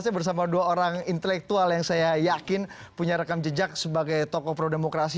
saya bersama dua orang intelektual yang saya yakin punya rekam jejak sebagai tokoh pro demokrasi